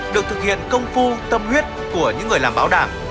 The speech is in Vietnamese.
được thực hiện công phu tâm huyết của những người làm báo đảm